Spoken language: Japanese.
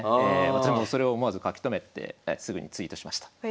もちろんそれを思わず書き留めてすぐにツイートしました。